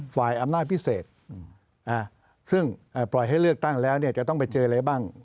ฝ่ายอำนาจพิเศษซึ่งปล่อยให้เลือกตั้งแล้วจะต้องไปเจออะไรบ้าง